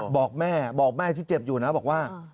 บอกแม่ที่เจ็บอยู่นะบอกว่า